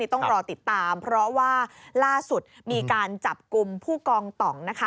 ต้องรอติดตามเพราะว่าล่าสุดมีการจับกลุ่มผู้กองต่องนะคะ